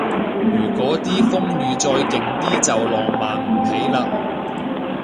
如嗰啲風雨再勁啲就浪漫唔起嘞